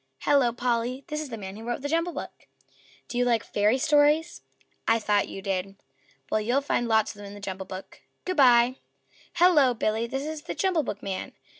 "Hello, Polly!" "This is the man who wrote the JUMBLE BOOK. Do you like Fairy Stories? I thought you did. Well, you'll find lots of them in the JUMBLE BOOK. Good by." "Hello, Billy." "This is the JUMBLE BOOKman.